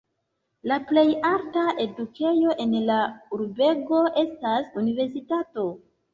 La plej alta edukejo en la urbego estas universitato.